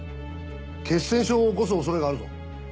血栓症を起こす恐れがあるぞ。